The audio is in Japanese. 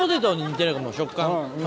食感。